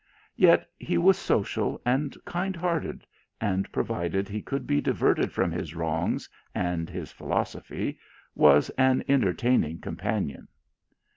Yet he is social and kind hearted, and, provided he can be diverted from his wrongs and his philoso phy, is an entertaining companion.